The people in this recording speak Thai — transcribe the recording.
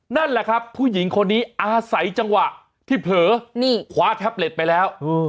นั่นแหละครับผู้หญิงคนนี้อาศัยจังหวะที่เผลอคว้าแท็บเล็ตไปแล้ว